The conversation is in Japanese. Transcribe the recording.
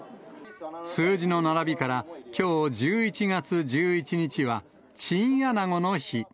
数字の並びから、きょう１１月１１日は、チンアナゴの日。